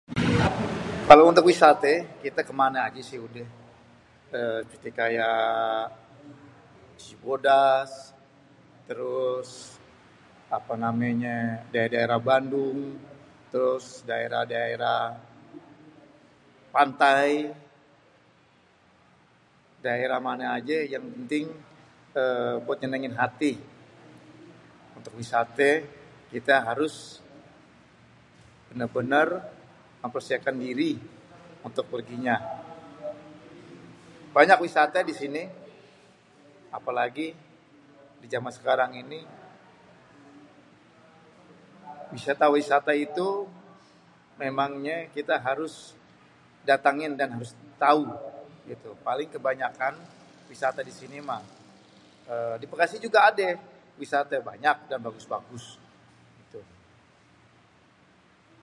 Kalo untuk wisate kita sih kemane aja sih udêh. uhm seperti kayak Cibodas, terus ape namenye daerah-daerah Bandung, terus daerah-daerah pantai. Daerah mana aje yang penting buat nyénéngin hati. Untuk wisaté kita harus bener-bener mempersiapkan diri untuk perginya. Banyak wisata di sini apalagi di jaman sekarang ini wisata-wisata itu memangnya kita harus datengin dan harus tau. Paling kebanyakan wisata di sini mah di Bekasi juga ade, banyak dan bagus-bagus itu.